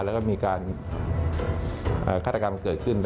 แล้วก็มีการฆาตกรรมเกิดขึ้น